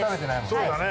そうだね。